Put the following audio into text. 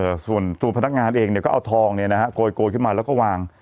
ส่วนตัวพนักงานเองเนี่ยก็เอาทองเนี้ยนะฮะโกยโกยขึ้นมาแล้วก็วาง